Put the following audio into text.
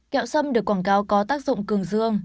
kẹo sâm được quảng cáo có tác dụng cường dương